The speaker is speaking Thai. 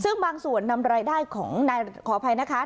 ซึ่งบางส่วนนำรายได้ของนายขออภัยนะคะ